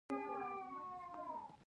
زراعت د افغانانو د ګټورتیا برخه ده.